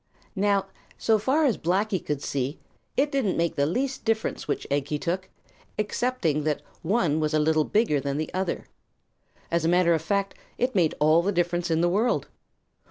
Now, so far as Blacky could see, it didn't make the least difference which egg he took, excepting that one was a little bigger than the other. As a matter of fact, it made all the difference in the world.